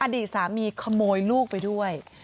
อดีตสามีขโมยลูกไปด้วย